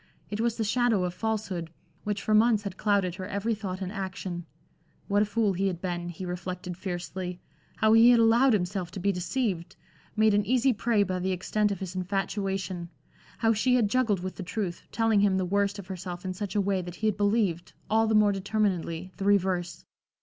It was the shadow of falsehood, which for months had clouded her every thought and action. What a fool he had been, he reflected fiercely how he had allowed himself to be deceived made an easy prey by the extent of his infatuation how she had juggled with the truth, telling him the worst of herself in such a way that he had believed, all the more determinedly, the reverse.